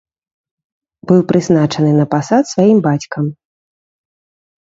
Быў прызначаны на пасад сваім бацькам.